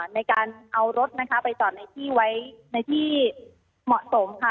ในการเอารถนะคะไปจอดในที่ไว้ในที่เหมาะสมค่ะ